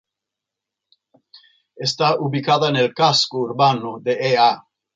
Está ubicada en el casco urbano de Ea.